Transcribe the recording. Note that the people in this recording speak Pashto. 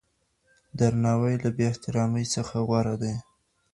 درناوی له بې احترامۍ څخه غوره دی.